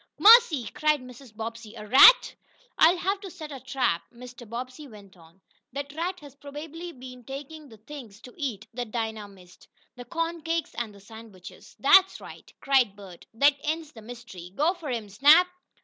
"Mercy!" cried Mrs. Bobbsey. "A rat!" "I'll have to set a trap," Mr. Bobbsey went on. "That rat has probably been taking the things to eat that Dinah missed the corn cakes and the sandwiches." "That's right!" cried Bert. "That ends the mystery. Go for him, Snap!"